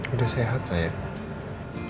udah sehat sayang